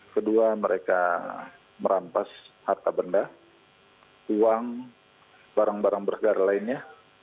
kedua mereka merampas harta benda uang barang barang berharga lainnya